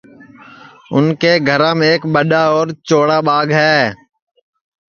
اُن کے گھرام ایک ٻڈؔا اور چوڑا ٻاگ ہے